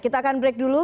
kita akan berhenti dulu